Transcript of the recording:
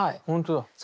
ほんとだ。